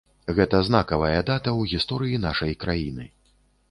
Гэта знакавая дата ў гісторыі нашай краіны.